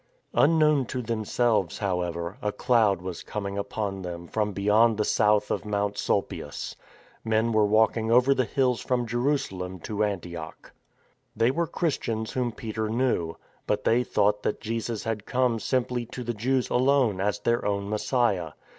Unknown to themselves, however, a cloud was com ing upon them from beyond the south of Mount Sul pius. Men were walking over the hills from Jerusalem to Antioch. They were Christians whom Peter knew. But they thought that Jesus had come simply to the Jews alone, as their own Messiah.